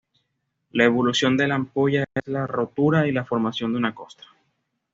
La evolución de la ampolla es la rotura y la formación de una costra.